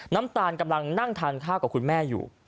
น้ำตาลกำลังนั่งทานข้าวกับคุณแม่อยู่